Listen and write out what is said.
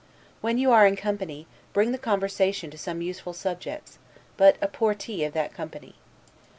When you are in company, bring the conversation to some useful subject, but 'a portee' of that company.